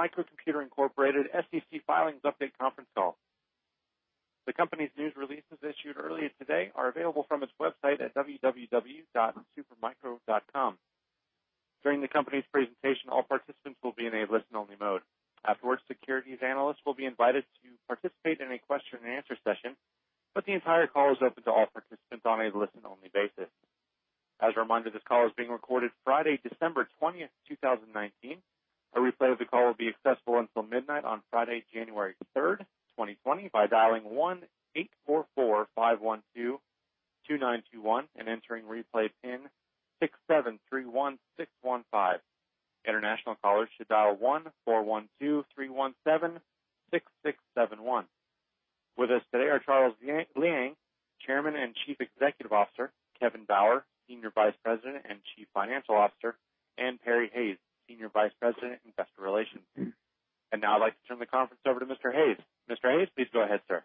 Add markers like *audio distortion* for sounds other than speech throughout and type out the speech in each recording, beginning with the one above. Good day, ladies and gentlemen. Thank you for standing by. Welcome to the Super Micro Computer Incorporated SEC Filings Update Conference Call. The company's news releases issued earlier today are available from its website at www.supermicro.com. During the company's presentation, all participants will be in a listen-only mode. Afterwards, securities analysts will be invited to participate in a question and answer session, but the entire call is open to all participants on a listen-only basis. As a reminder, this call is being recorded Friday, December 20th, 2019. A replay of the call will be accessible until midnight on Friday, January 3rd, 2020, by dialing 1-844-512-2921 and entering replay pin 6731615. International callers should dial 1-412-317-6671. With us today are Charles Liang, Chairman and Chief Executive Officer, Kevin Bauer, Senior Vice President and Chief Financial Officer, and Perry Hayes, Senior Vice President, Investor Relations. Now I'd like to turn the conference over to Mr. Hayes. Mr. Hayes, please go ahead, sir.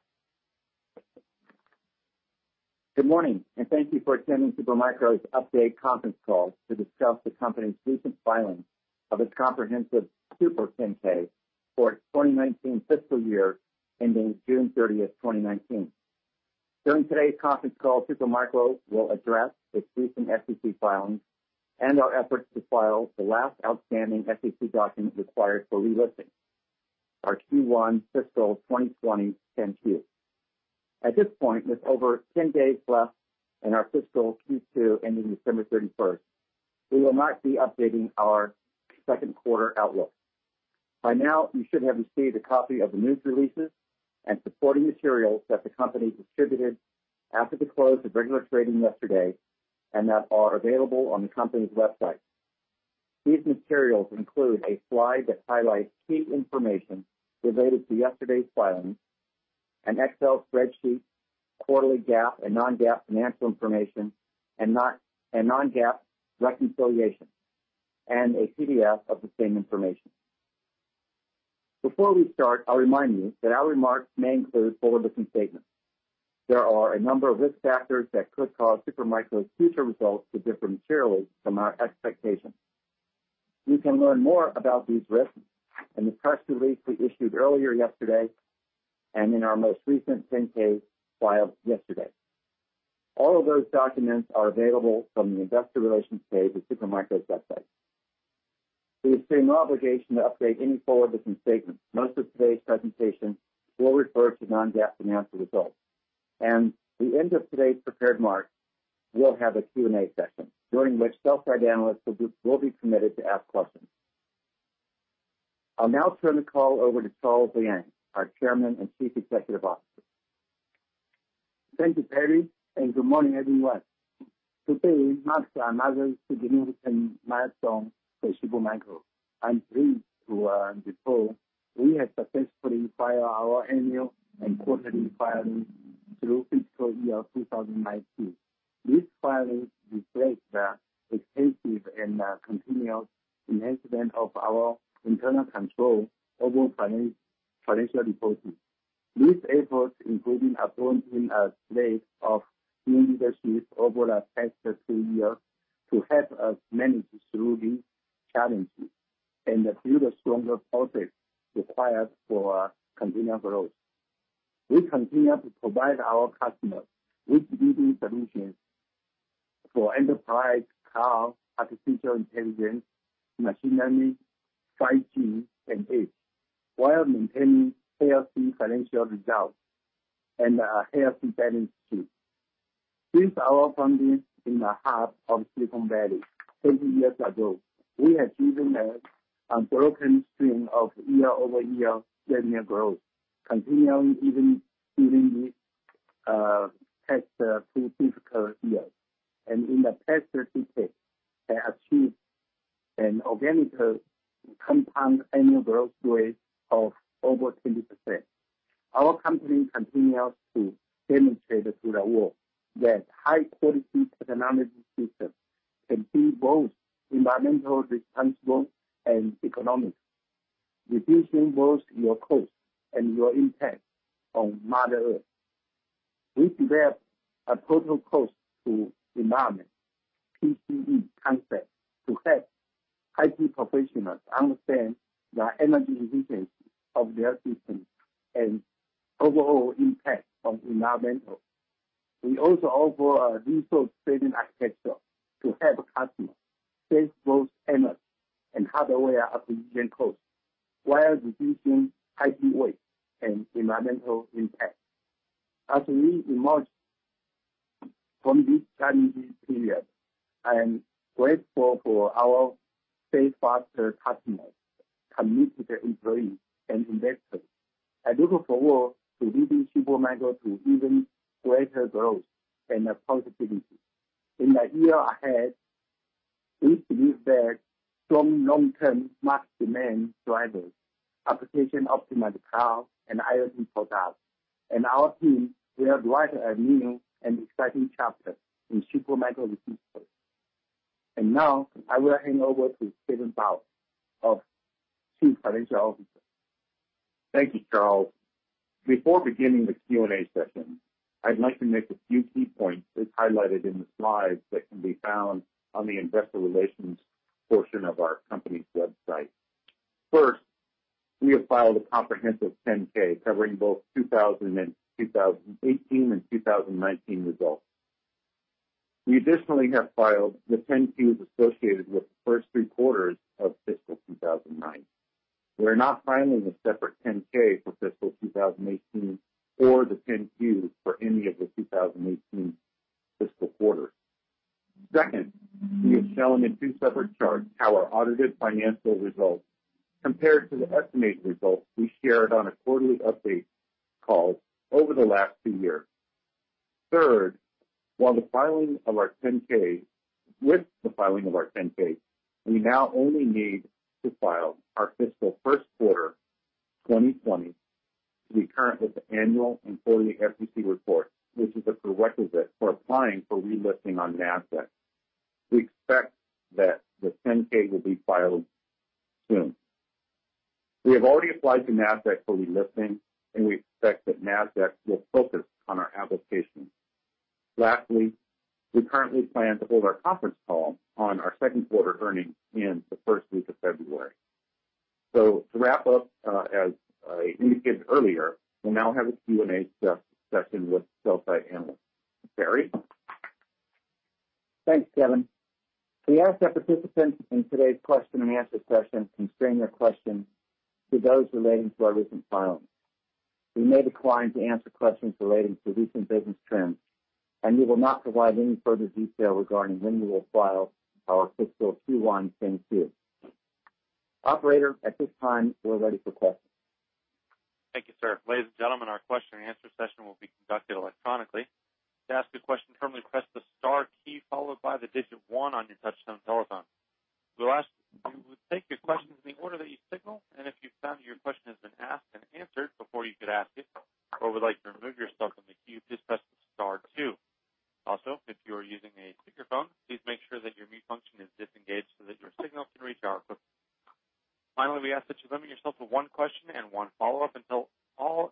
Good morning, and thank you for attending Supermicro's update conference call to discuss the company's recent filing of its comprehensive Super 10-K for its 2019 fiscal year ending June 30th, 2019. During today's conference call, Supermicro will address its recent SEC filings and our efforts to file the last outstanding SEC document required for relisting, our Q1 fiscal 2020 10-Q. At this point, with over 10 days left in our fiscal Q2 ending December 31st, we will not be updating our second quarter outlook. By now, you should have received a copy of the news releases and supporting materials that the company distributed after the close of regular trading yesterday and that are available on the company's website. These materials include a slide that highlights key information related to yesterday's filings, an Excel spreadsheet, quarterly GAAP and non-GAAP financial information, and non-GAAP reconciliation, and a PDF of the same information. Before we start, I'll remind you that our remarks may include forward-looking statements. There are a number of risk factors that could cause Supermicro's future results to differ materially from our expectations. You can learn more about these risks in the press release we issued earlier yesterday and in our most recent 10-K filed yesterday. All of those documents are available from the investor relations page of Supermicro's website. We assume no obligation to update any forward-looking statements. Most of today's presentation will refer to non-GAAP financial results. The end of today's prepared remarks, we'll have a Q&A session during which sell-side analysts will be permitted to ask questions. I'll now turn the call over to Charles Liang, our Chairman and Chief Executive Officer. Thank you, Perry, and good morning, everyone. Today marks another significant milestone for Supermicro. I'm pleased to report we have successfully filed our annual and quarterly filings through fiscal year 2019. These filings reflect the extensive and continual enhancement of our internal control over financial reporting. These efforts, including appointing a slate of new leadership over the past three years to help us manage through these challenges and build a stronger process required for continued growth. We continue to provide our customers with leading solutions for enterprise, cloud, artificial intelligence, machine learning, 5G, and edge, while maintaining healthy financial results and a healthy balance sheet. Since our founding in the heart of Silicon Valley 30 years ago, we have driven an unbroken string of year-over-year revenue growth, continuing even during these past two difficult years. In the past decade have achieved an organic compound annual growth rate of over 20%. Our company continues to demonstrate to the world that high-quality technological systems can be both environmentally responsible and economic, reducing both your cost and your impact on Mother Earth. We developed a total cost to environment, TCE, concept to help IT professionals understand the energy efficiency of their systems and overall impact on the environment. We also offer a Resource-Saving Architecture to help customers save both energy and hardware acquisition costs while reducing IT waste and environmental impact. As we emerge from this challenging period, I am grateful for our steadfast customers, committed employees, and investors. I look forward to leading Super Micro to even greater growth and profitability. In the year ahead, we believe that strong long-term market demand drivers, application-optimized cloud, and IoT products and our team will write a new and exciting chapter in Supermicro's history. Now, I will hand over to Kevin Bauer, our Chief Financial Officer. Thank you, Charles. Before beginning the Q&A session, I'd like to make a few key points as highlighted in the slides that can be found on the investor relations portion of our company's website. First, we have filed a comprehensive 10-K covering both 2018 and 2019 results. We additionally have filed the 10-Qs associated with the first three quarters of fiscal 2019. We are not filing a separate 10-K for fiscal 2018 or the 10-Qs for any of the 2018 fiscal quarters. Second, we have shown in two separate charts how our audited financial results compare to the estimated results we shared on a quarterly update call over the last two years. Third, with the filing of our 10-K, we now only need to file our fiscal first quarter 2020 to be current with the annual and quarterly SEC report, which is a prerequisite for applying for relisting on Nasdaq. We expect that the 10-K will be filed soon. We have already applied to Nasdaq for relisting, and we expect that Nasdaq will focus on our application. Lastly, we currently plan to hold our conference call on our second quarter earnings in the first week of February. To wrap up, as I indicated earlier, we'll now have a Q&A session with sell-side analysts. Perry? Thanks, Kevin. We ask that participants in today's question-and-answer session constrain their questions to those relating to our recent filings. We may decline to answer questions relating to recent business trends, and we will not provide any further detail regarding when we will file our fiscal Q1 10-Q. Operator, at this time, we're ready for questions. Thank you, sir. Ladies and gentlemen, our question-and-answer session will be conducted electronically. To ask a question, firmly press the star key followed by the digit 1 on your touch-tone telephone. We will take your questions in the order that you signal, and if you find that your question has been asked and answered before you could ask it or would like to remove yourself from the queue, just press star 2. If you are using a speakerphone, please make sure that your mute function is disengaged so that your signal can reach our equipment. We ask that you limit yourself to one question and one follow-up until all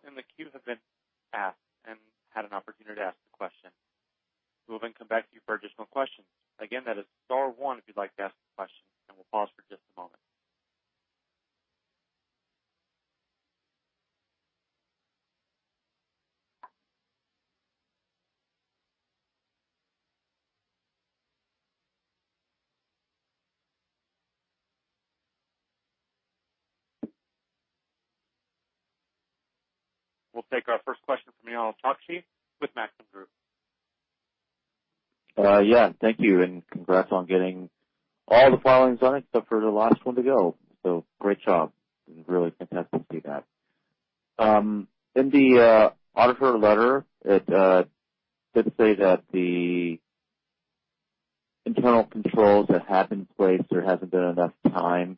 in the queue have been asked and had an opportunity to ask a question. We will come back to you for additional questions. Again, that is star one if you'd like to ask a question. We'll pause for just a moment. We'll take our first question from Nehal Chokshi with Maxim Group. Yeah. Thank you, and congrats on getting all the filings done except for the last one to go. Great job. It's really fantastic to see that. In the auditor letter, it did say that the internal controls that have been placed, there hasn't been enough time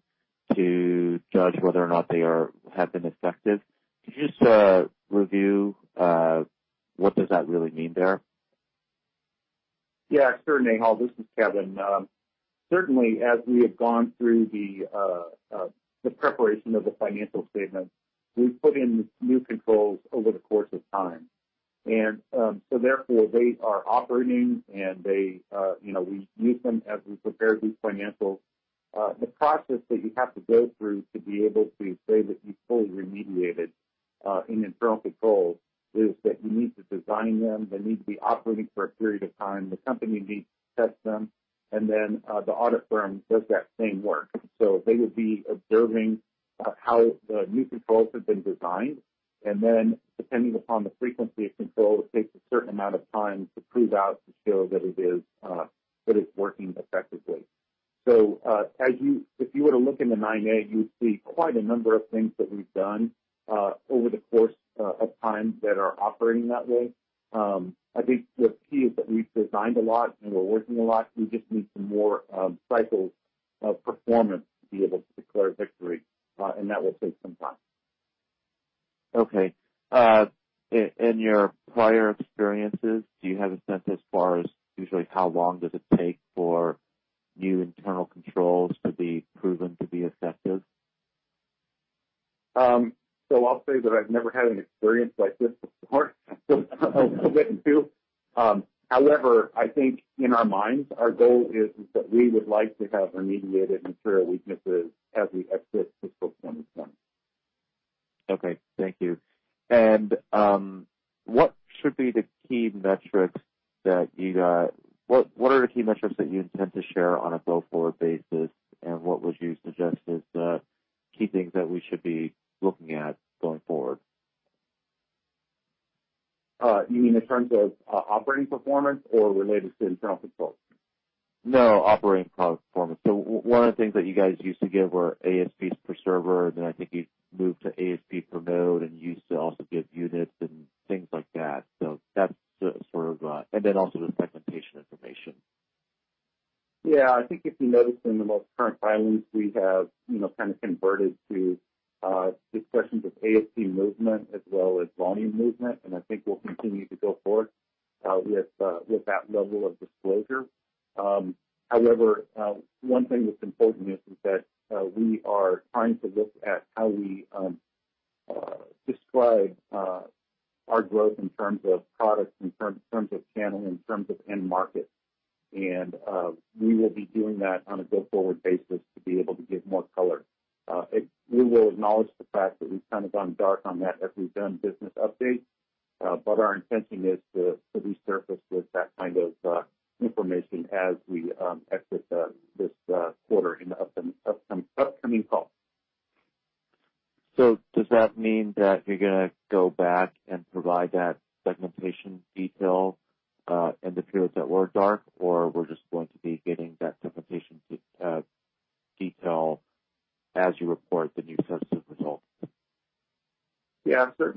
to judge whether or not they have been effective. Could you just review what does that really mean there? Yeah, sure, Nehal. This is Kevin. Certainly, as we have gone through the preparation of the financial statements, we've put in new controls over the course of time. Therefore, they are operating, and we use them as we prepare these financials. The process that you have to go through to be able to say that you've fully remediated in internal controls is that you need to design them, they need to be operating for a period of time, the company needs to test them, and then the audit firm does that same work. They would be observing how the new controls have been designed, and then depending upon the frequency of control, it takes a certain amount of time to prove out to show that it is working effectively. If you were to look in the Item 9A, you would see quite a number of things that we've done over the course of time that are operating that way. I think the key is that we've designed a lot and we're working a lot. We just need some more cycles of performance to be able to declare victory. That will take some time. In your prior experiences, do you have a sense as far as usually how long does it take for new internal controls to be proven to be effective? I'll say that I've never had an experience like this before. However, I think in our minds, our goal is that we would like to have remediated material weaknesses as we exit fiscal 2020. Okay. Thank you. What are the key metrics that you intend to share on a go-forward basis, and what would you suggest is the key things that we should be looking at going forward? You mean in terms of operating performance or related to internal controls? Operating performance. One of the things that you guys used to give were ASPs per server. I think you moved to ASP per node and you used to also give units and things like that. Also the segmentation information. I think if you notice in the most current filings, we have kind of converted to discussions of ASP movement as well as volume movement, and I think we'll continue to go forward with that level of disclosure. One thing that's important is that we are trying to look at how we describe our growth in terms of products, in terms of channel, in terms of end market. We will be doing that on a go-forward basis to be able to give more color. We will acknowledge the fact that we've kind of gone dark on that as we've done business updates. Our intention is to resurface with that kind of information as we exit this quarter in the upcoming call. Does that mean that you're going to go back and provide that segmentation detail in the periods that were dark, or we're just going to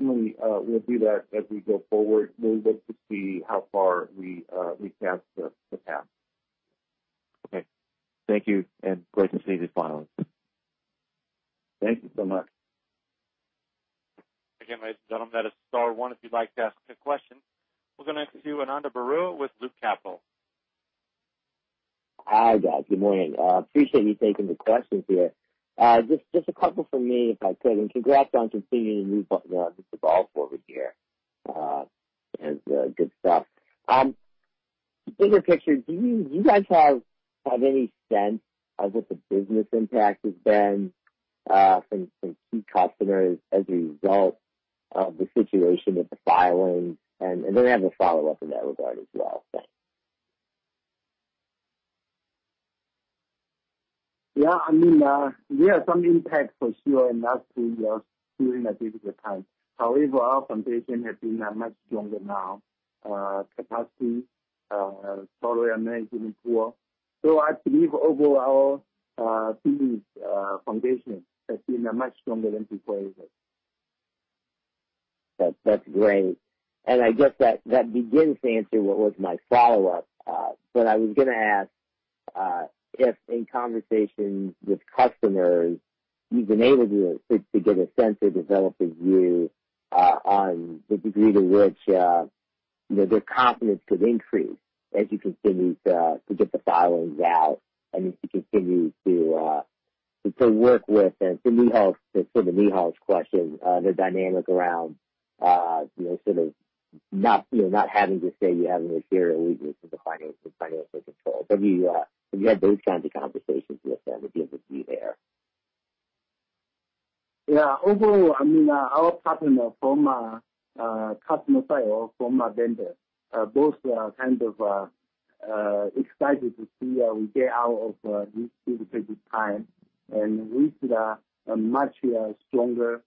be getting that segmentation detail as you report the new sets of results? Yeah, certainly, we'll do that as we go forward. We'll look to see how far we've passed the test. Okay. Thank you, and great to see the filings. Thank you so much. Ladies and gentlemen, that is star one if you'd like to ask a question. We'll go next to Ananda Baruah with Loop Capital. Hi, guys. Good morning. Appreciate you taking the questions here. Just a couple from me, if I could, and congrats on continuing to move the ball forward here. Good stuff. Bigger picture, do you guys have any sense of what the business impact has been from key customers as a result of the situation with the filings? I have a follow-up in that regard as well. Thanks. Yeah, there are some impacts for sure. That's really us during a difficult time. However, our foundation has been much stronger now. Capacity, software management tool. I believe overall, [business] foundation has been much stronger than before even. That's great. I guess that begins to answer what was my follow-up. I was going to ask if in conversations with customers, you've been able to get a sense or develop a view on the degree to which their confidence could increase as you continue to get the filings out and as you continue to work with and to Nehal's question, the dynamic around sort of not having to say you have a material weakness in the financial control. Have you had those kinds of conversations with them, would be able to be there? Yeah. Overall, our partner, former customer, former vendor, both are kind of excited to see how we get out of this difficult time. We see that a much stronger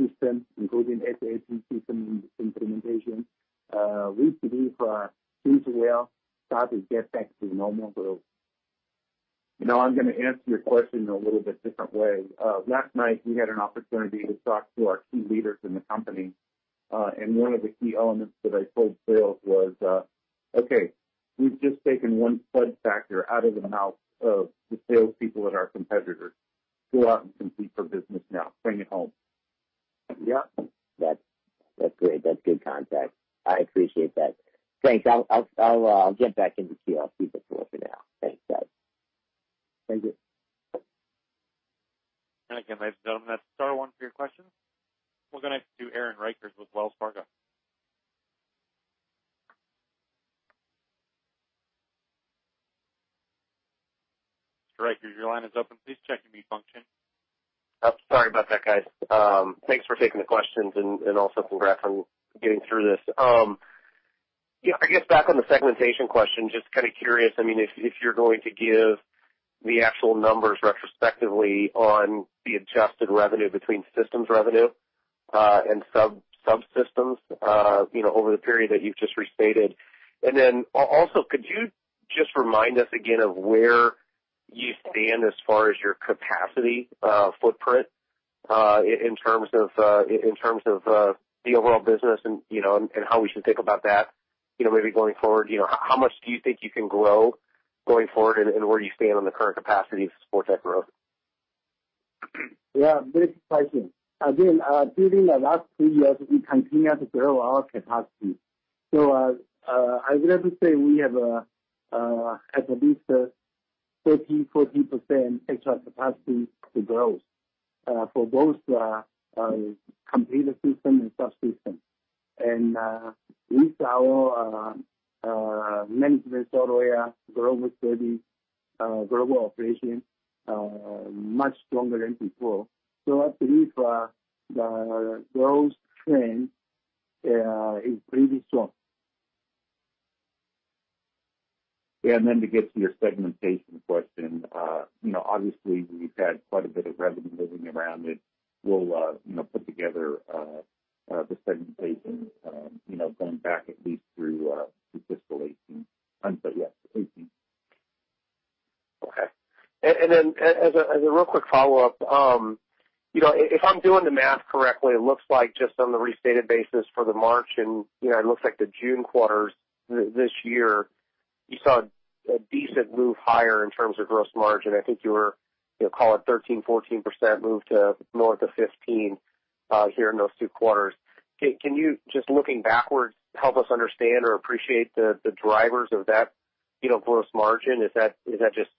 system, including SAP system implementation. We believe *audio distortion* starts to get back to normal growth. I'm going to answer your question a little bit different way. Last night, we had an opportunity to talk to our key leaders in the company. One of the key elements that I told sales was, "Okay, we've just taken one fudge factor out of the mouth of the salespeople at our competitors." Go out and compete for business now. Bring it home. Yeah. That's great. That's good context. I appreciate that. Great. I'll get back in the queue. I'll leave it for now. Thanks, guys. Thank you. Again, ladies and gentlemen, that's star one for your questions. We'll go next to Aaron Rakers with Wells Fargo. Mr. Rakers, your line is open. Please check your mute function. Sorry about that, guys. Thanks for taking the questions and also congrats on getting through this. I guess back on the segmentation question, just kind of curious, if you're going to give the actual numbers retrospectively on the adjusted revenue between systems revenue and subsystems over the period that you've just restated. Could you just remind us again of where you stand as far as your capacity footprint, in terms of the overall business and how we should think about that maybe going forward? How much do you think you can grow going forward and where do you stand on the current capacity to support that growth? During the last two years, we continue to grow our capacity. I'd rather say we have at least 30%, 40% extra capacity to grow, for both completed system and subsystem. With our management software, global service, global operation, much stronger than before. I believe the growth trend is pretty strong. To get to your segmentation question. Obviously, we've had quite a bit of revenue moving around, and we'll put together the segmentation going back at least through fiscal 2018. Yes, 2018. Okay. As a real quick follow-up. If I'm doing the math correctly, it looks like just on the restated basis for the March and it looks like the June quarters this year, you saw a decent move higher in terms of gross margin. I think you were, call it 13%, 14% move to north of 15% here in those two quarters. Can you, just looking backwards, help us understand or appreciate the drivers of that gross margin? Is that just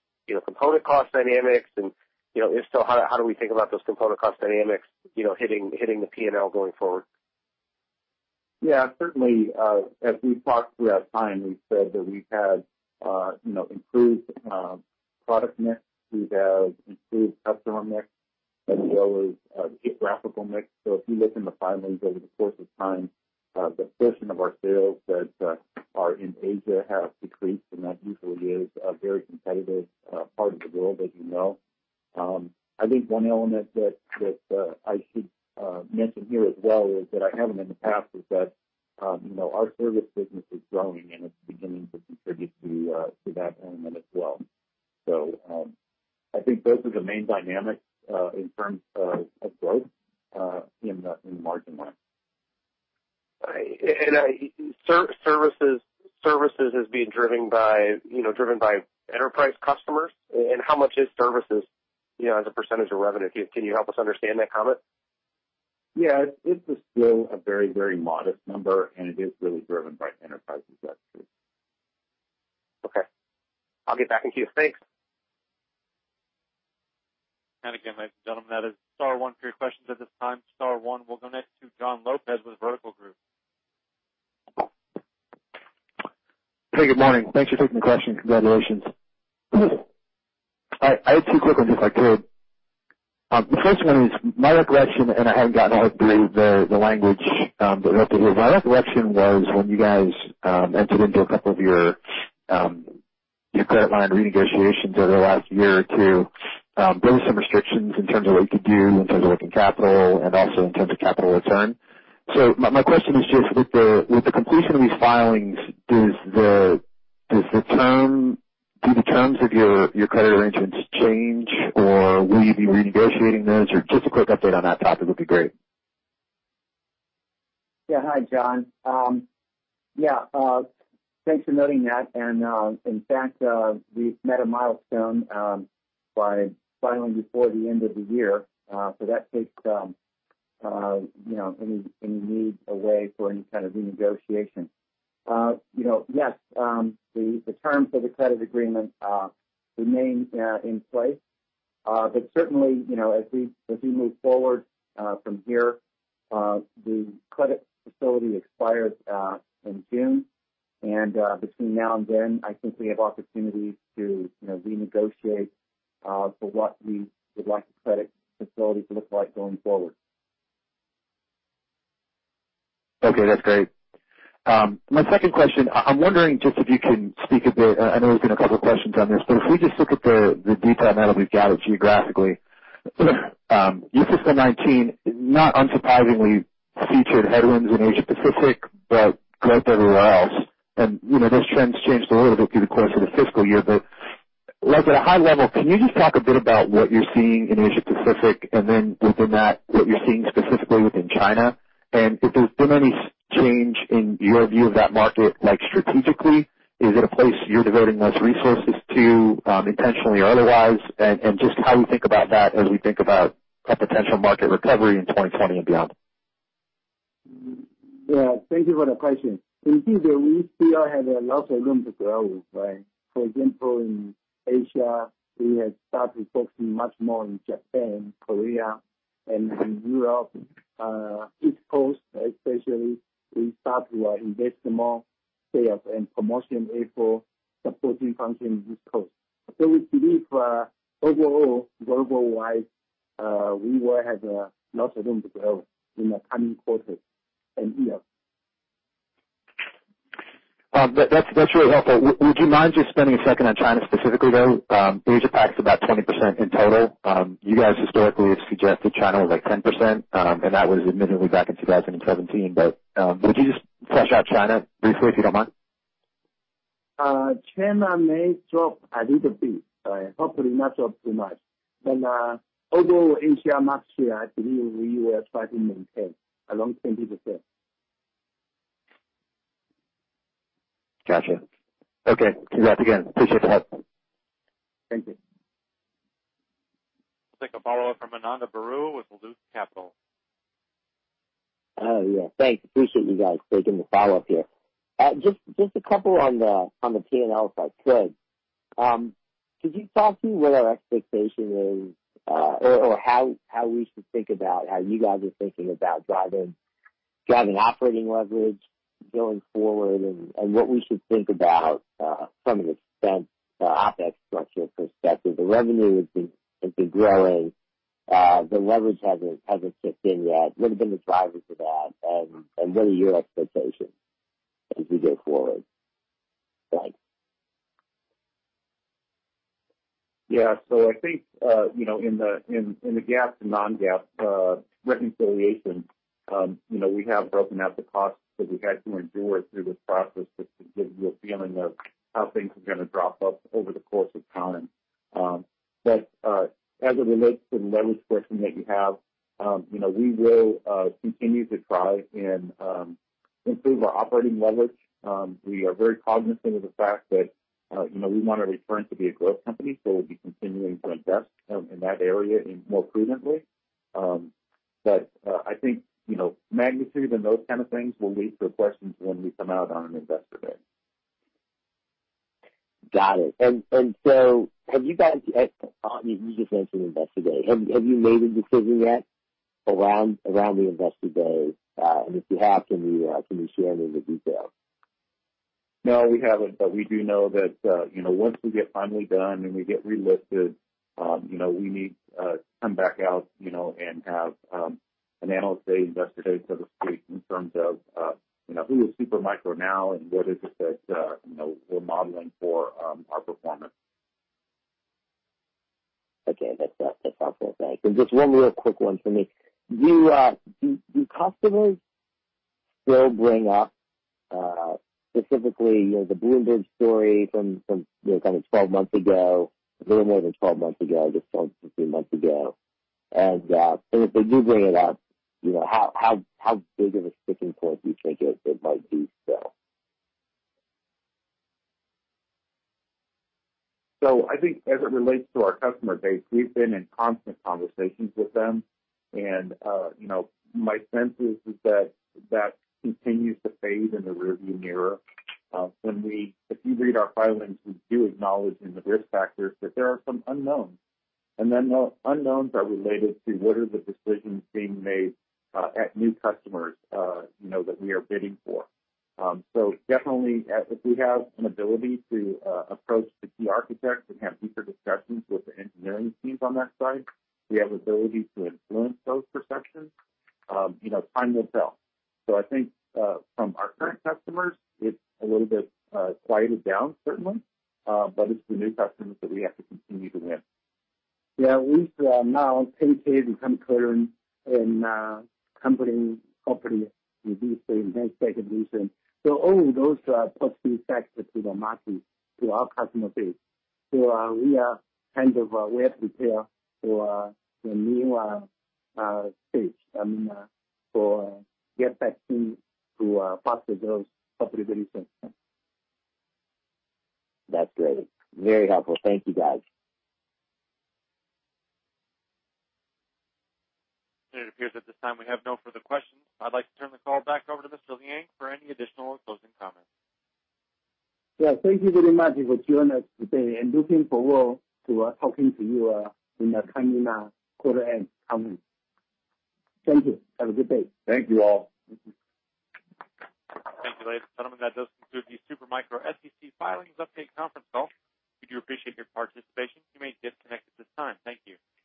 component cost dynamics? If so, how do we think about those component cost dynamics hitting the P&L going forward? Yeah, certainly. As we've talked through our time, we've said that we've had improved product mix. We've had improved customer mix as well as geographical mix. If you look in the filings over the course of time, the portion of our sales that are in Asia have decreased, and that usually is a very competitive part of the world, as you know. I think one element that I should mention here as well is that I haven't in the past is that our service business is growing, and it's beginning to contribute to that element as well. I think those are the main dynamics in terms of growth in the margin line. Services is being driven by enterprise customers? How much is services as a percentage of revenue? Can you help us understand that comment? Yeah. It is still a very modest number, and it is really driven by enterprises. That's true. Okay. I'll get back in queue. Thanks. Again, ladies and gentlemen, that is star one for your questions at this time, star one. We'll go next to Jon Lopez with Vertical Group. Hey, good morning. Thanks for taking the question. Congratulations. I had two quick ones, if I could. The first one is my recollection, and I haven't gotten all the way through the language, but hopefully it is. My recollection was when you guys entered into a couple of your credit line renegotiations over the last year or two, there was some restrictions in terms of what you could do in terms of working capital and also in terms of capital return. My question is just with the completion of these filings, do the terms of your credit arrangements change, or will you be renegotiating those? Just a quick update on that topic would be great. Hi, Jon. Thanks for noting that. In fact, we've met a milestone by filing before the end of the year. That takes any need away for any kind of renegotiation. Yes, the terms of the credit agreement remain in place. Certainly, as we move forward from here, the credit facility expires in June, and between now and then, I think we have opportunities to renegotiate for what we would like the credit facility to look like going forward. Okay, that's great. My second question, I'm wondering just if you can speak a bit, I know there's been a couple of questions on this, but if we just look at the detail, now that we've gathered geographically. Your fiscal 2019, not unsurprisingly, featured headwinds in Asia Pacific, but growth everywhere else. Those trends changed a little bit through the course of the fiscal year. But at a high level, can you just talk a bit about what you're seeing in Asia Pacific, and then within that, what you're seeing specifically within China? If there's been any change in your view of that market strategically, is it a place you're devoting less resources to, intentionally or otherwise? Just how we think about that as we think about a potential market recovery in 2020 and beyond. Yeah. Thank you for the question. We see that we still have a lot of room to grow. For example, in Asia, we have started focusing much more on Japan, Korea, and in Europe, East Coast especially, we start to invest more sales and promotion effort supporting function East Coast. We believe, overall, global-wise, we will have a lot of room to grow in the coming quarters and year. That's really helpful. Would you mind just spending a second on China specifically, though? Asia PAC's about 20% in total. You guys historically have suggested China was like 10%, and that was admittedly back in 2017. Would you just flesh out China briefly, if you don't mind? China may drop a little bit. Hopefully not drop too much. Overall Asia, next year, I believe we will try to maintain around 20%. Gotcha. Okay. Congrats again. Appreciate the help. Thank you. We'll take a follow-up from Ananda Baruah with Loop Capital. Yeah. Thanks. Appreciate you guys taking the follow-up here. Just a couple on the P&L, if I could. Could you talk through what our expectation is or how we should think about how you guys are thinking about driving operating leverage going forward and what we should think about from an expense OpEx structure perspective? The revenue has been growing. The leverage hasn't kicked in yet. What have been the drivers of that, and what are your expectations as we go forward? Thanks. Yeah. I think, in the GAAP to non-GAAP reconciliation, we have broken out the costs that we had to endure through this process just to give you a feeling of how things are going to drop up over the course of time. As it relates to the leverage question that you have, we will continue to try and improve our operating leverage. We are very cognizant of the fact that we want our return to be a growth company, so we'll be continuing to invest in that area more prudently. I think, magnitudes and those kind of things will wait for questions when we come out on an investor day. Got it. You just mentioned Investor Day. Have you made a decision yet around the Investor Day? If you have, can you share any of the details? No, we haven't. We do know that once we get finally done and we get relisted, we need to come back out and have an analyst day, investor day, et cetera, speak in terms of who is Supermicro now and what is it that we're modeling for our performance. Okay. That's helpful. Thanks. Just one real quick one for me. Do customers still bring up specifically, the Bloomberg story from kind of 12 months ago, a little more than 12 months ago, just 12, 13 months ago? If they do bring it up, how big of a sticking point do you think it might be still? I think as it relates to our customer base, we've been in constant conversations with them. My sense is that that continues to fade in the rearview mirror. If you read our filings, we do acknowledge in the risk factors that there are some unknowns, and then the unknowns are related to what are the decisions being made at new customers that we are bidding for. Definitely, if we have an ability to approach the key architects and have deeper discussions with the engineering teams on that side, we have ability to influence those perceptions. Time will tell. I think, from our current customers, it's a little bit quieted down, certainly. It's the new customers that we have to continue to win. Yeah, we've now indicated some turnaround in company with this advanced technology. All those are positive factors to the market, to our customer base. We are kind of well-prepared for the new stage. I mean, for get back in to pass those proper releases. That's great. Very helpful. Thank you, guys. It appears at this time we have no further questions. I'd like to turn the call back over to Mr. Liang for any additional or closing comments. Yeah, thank you very much for joining us today and looking forward to talking to you in the coming quarter end coming. Thank you. Have a good day. Thank you all. Thank you, ladies and gentlemen. That does conclude the Super Micro SEC Filings Update Conference Call. We do appreciate your participation. You may disconnect at this time. Thank you.